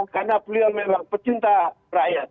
karena beliau memang pecinta rakyat